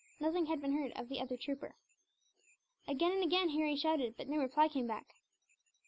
Nothing had been heard of the other trooper. Again and again Harry shouted, but no reply came back.